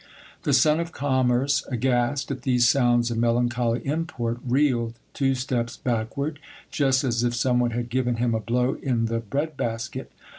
The son of commerce, aghast at these sounds of melancholy import, reeled two steps backward, just as if some one had given him a blow in the bread basket.